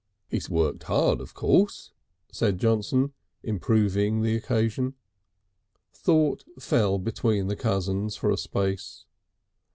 "He's worked hard of course," said Johnson, improving the occasion. Thought fell between the cousins for a space.